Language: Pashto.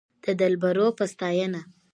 د دلبرو په ستاينه